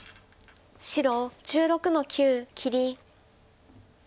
白１６の九切り。